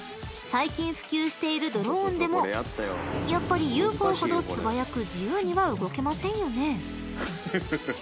［最近普及しているドローンでもやっぱりＵＦＯほど素早く自由には動けませんよね］